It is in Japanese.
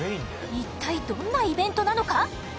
一体、どんなイベントなのか？